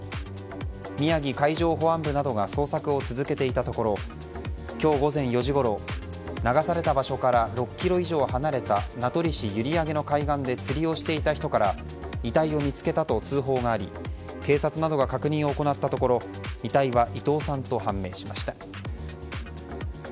宮城海上保安部などが捜索を続けていたところ今日午前４時ごろ流された場所から６ｋｍ以上離れた名取市閖上の海岸で釣りをしていた人から遺体を見つけたと通報があり警察などが確認を行ったところ遺体は伊藤さんと判明しました。